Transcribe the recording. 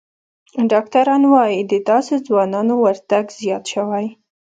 ډاکتران وايي، د داسې ځوانانو ورتګ زیات شوی